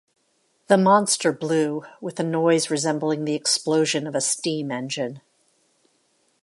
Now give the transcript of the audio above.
The monster blew, with a noise resembling the explosion of a steam-engine.